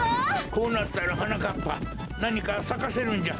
こうなったらはなかっぱなにかさかせるんじゃ。